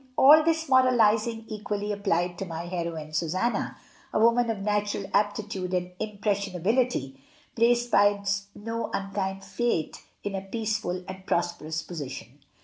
All this moralising equally applies to my heroine, Susanna, a woman of natural aptitude and im pressionability, placed by no unkind fate in a peace ful and prosperous position.